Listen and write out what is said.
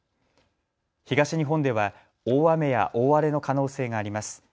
東日本では大雨や大荒れの可能性があります。